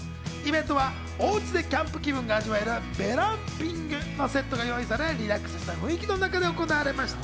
イベントはおうちでキャンプ気分が味わえるベランピングのセットが用意され、リラックスした雰囲気の中で行われました。